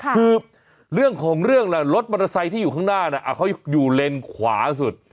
คือเรื่องของเรื่องล่ะรถมอเตอร์ไซค์ที่อยู่ข้างหน้าเขาอยู่เลนขวาสุด